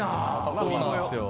そうなんですよ